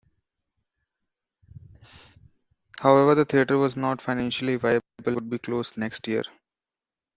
However, the theater was not financially viable and would be closed the next year.